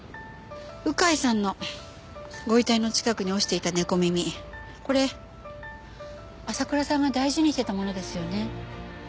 鵜飼さんのご遺体の近くに落ちていた猫耳これ朝倉さんが大事にしてたものですよね？